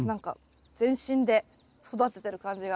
全身で育ててる感じが。